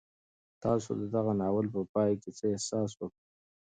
تاسو د دغه ناول په پای کې څه احساس وکړ؟